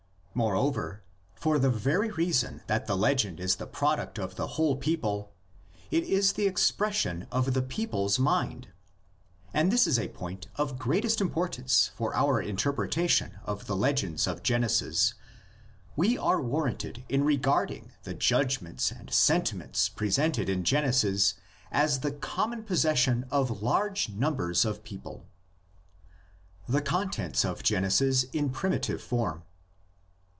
Moreover, for the very reason that the legend is the product of the whole people, it is the expres sion of the people's mind. And this is a point of greatest importance for our interpretation of the legends of Genesis. We are warranted in regard ing the judgments and sentiments presented in Gen esis as the common possession of large numbers of people. THE CONTENTS OF GENESIS IN PRIMITIVE FORM.